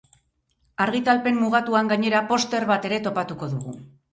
Argitalpen mugatuan, gainera, poster bat ere topatuko dugu.